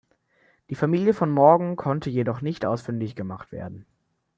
Die Familie von Morgan konnte jedoch nicht ausfindig gemacht werden.